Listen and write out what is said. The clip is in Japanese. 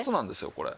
これ。